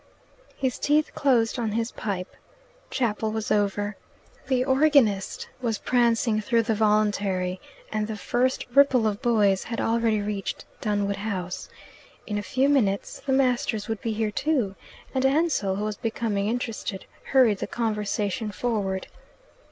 His teeth closed on his pipe. Chapel was over. The organist was prancing through the voluntary, and the first ripple of boys had already reached Dunwood House. In a few minutes the masters would be here too, and Ansell, who was becoming interested, hurried the conversation forward.